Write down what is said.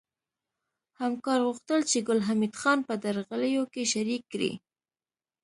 همکار غوښتل چې ګل حمید خان په درغلیو کې شریک کړي